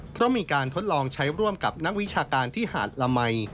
เพราะมีการทดลองใช้ร่วมกับนักวิชาการที่หาดละมัย